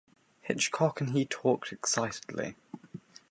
Hitchcock and he talked excitedly.